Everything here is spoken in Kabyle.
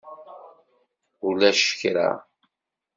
Ulac kra.